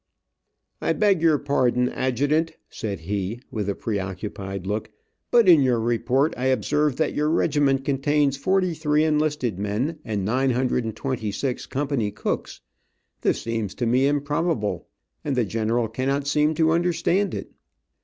"I beg your pardon, adjutant," said he, with a preoccupied look, "but in your report I observe that your regiment contains forty three enlisted men, and nine hundred and twenty six company cooks. This seems to me improbable, and the general cannot seem to understand it."